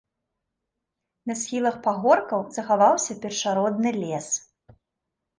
На схілах пагоркаў захаваўся першародны лес.